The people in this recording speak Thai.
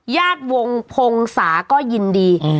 ญาติวงพงศาก็ยินดี